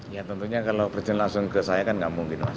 ya tentunya kalau presiden langsung ke saya kan nggak mungkin mas